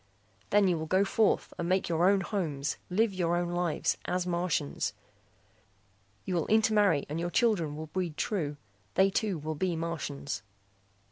"Then you will go forth and make your own homes, live your own lives, as Martians. You will intermarry and your children will breed true. They too will be Martians.